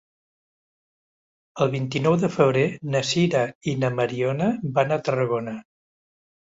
El vint-i-nou de febrer na Sira i na Mariona van a Tarragona.